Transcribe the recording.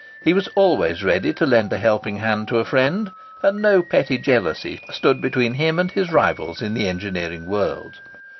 He was always ready to lend a helping hand to a friend, and no petty jealousy stood between him and his rivals in the engineering world.